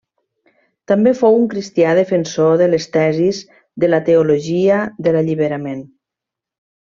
També fou un cristià defensor de les tesis de la teologia de l'alliberament.